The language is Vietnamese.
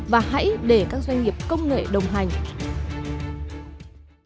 và hãy để các doanh nghiệp công nghệ đồng hành